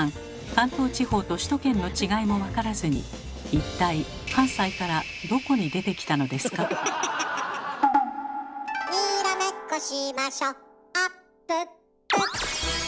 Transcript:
関東地方と首都圏の違いも分からずに一体「にらめっこしましょあっぷっぷ」